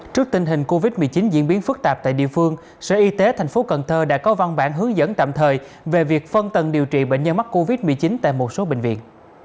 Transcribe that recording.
trước tình hình covid một mươi chín diễn biến phức tạp tại địa phương sở y tế tp cn đã có văn bản hướng dẫn tạm thời về việc phân tầng điều trị bệnh nhân mắc covid một mươi chín tại một số bệnh viện